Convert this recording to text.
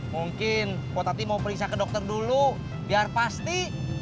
mungkin potati mau periksa ke dokter dulu biar pasti